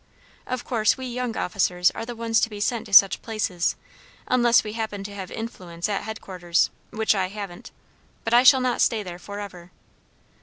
Of course we young officers are the ones to be sent to such places; unless we happen to have influence at headquarters, which I haven't. But I shall not stay there for ever."